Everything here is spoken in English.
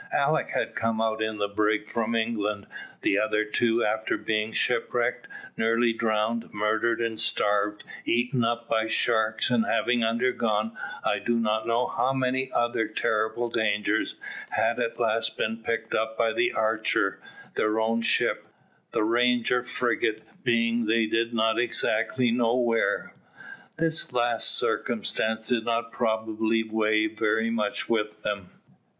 Alick had come out in the brig from England, the other two, after being shipwrecked, nearly drowned, murdered, and starved, eaten up by sharks, and having undergone I do not know how many other terrible dangers, had at last been picked up by the Archer, their own ship, the Ranger frigate, being they did not exactly know where. This last circumstance did not probably weigh very much with them.